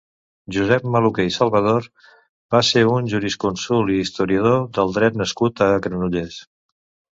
Josep Maluquer i Salvador va ser un jurisconsult i historiador del dret nascut a Granollers.